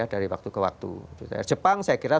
dari waktu ke waktu jepang saya kira